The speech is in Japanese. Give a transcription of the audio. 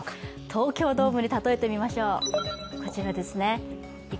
東京ドームに例えてみましょう、こちらですね。